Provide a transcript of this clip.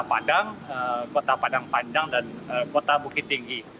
padang kota padang panjang dan kota bukit tinggi